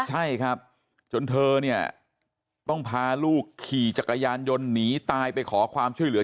ใช่ครับจนเธอเนี่ยต้องพาลูกขี่จักรยานยนต์หนีตายไปขอความช่วยเหลือ